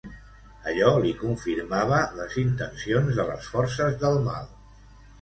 Allò li confirmava les intencions de les forces del mal.